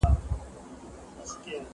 زه به سبا سړو ته خواړه ورکوم!